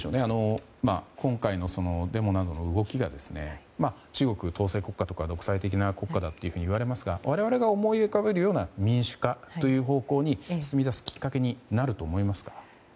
今回のデモなどの動きが中国は統制国家とか独裁的な国家だといわれますが我々が思い浮かべるような民主化という方向に進み出すきっかけになると思いますか？